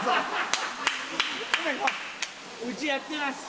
うちやってます。